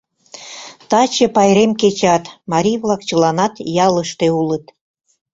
Таче пайрем кечат, марий-влак чыланат ялыште улыт.